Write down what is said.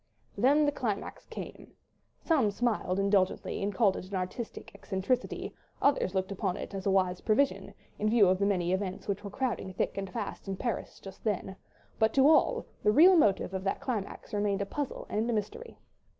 Then the climax came. Some smiled indulgently and called it an artistic eccentricity, others looked upon it as a wise provision, in view of the many events which were crowding thick and fast in Paris just then, but to all, the real motive of that climax remained a puzzle and a mystery.